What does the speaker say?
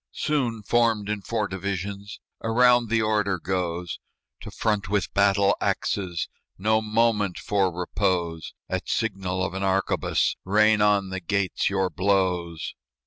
Soon, formed in four divisions, Around the order goes "To front with battle axes! No moment for repose. At signal of an arquebus, Rain on the gates your blows."